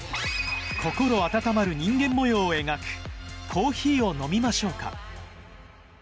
心温まる人間模様を描く『コーヒーを飲みましょうか？』